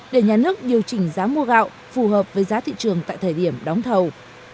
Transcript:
để nhà nước điều chỉnh giá mua gạo phù hợp với giá thị trường tại thời điểm đóng thầu